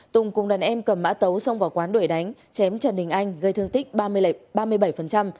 tùng cùng đàn em cầm mã tấu xông vào quán đuổi đánh chém trần đình anh gây thương tích ba mươi bảy